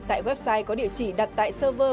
tại website có địa chỉ đặt tại server